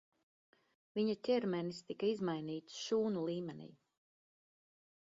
Viņa ķermenis tika izmainīts šūnu līmenī.